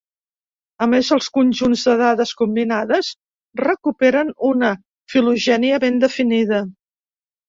A més, els conjunts de dades combinades recuperen una filogènia ben definida.